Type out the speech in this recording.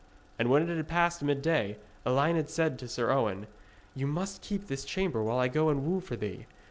And when it had passed midday, Elined said to Sir Owen: 'You must keep this chamber while I go and woo for thee.